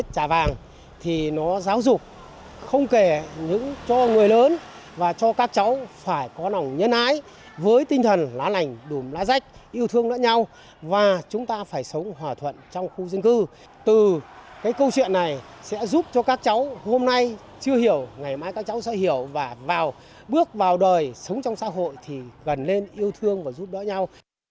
chưa hiểu ngày mai các cháu sẽ hiểu và vào bước vào đời sống trong xã hội thì gần lên yêu thương và giúp đỡ nhau